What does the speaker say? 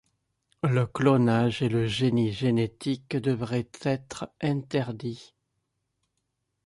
Le clonage et le génie génétique devraient être interdits.